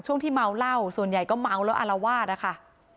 ที่เมาเหล้าส่วนใหญ่ก็เมาแล้วอารวาสนะคะ